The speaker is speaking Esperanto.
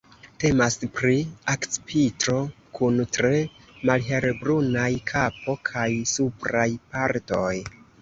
Temas pri akcipitro kun tre malhelbrunaj kapo kaj supraj partoj.